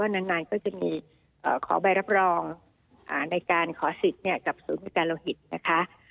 นานก็จะมีขอใบรับรองในการขอสิทธิ์กับศูนย์บริการโลหิตนะคะ